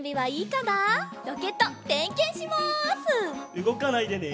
うごかないでね！